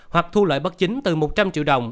hoặc thu lợi bất chính từ một trăm linh triệu đồng